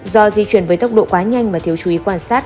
do di chuyển với tốc độ quá nhanh và thiếu chú ý quan sát